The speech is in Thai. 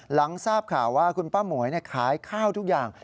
หลังทราบข่าวว่าคุณป้าหมวยขายข้าวทุกอย่าง